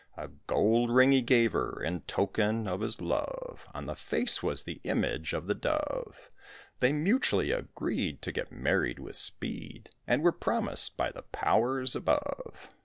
A gold ring he gave her in token of his love, On the face was the image of the dove; They mutually agreed to get married with speed And were promised by the powers above.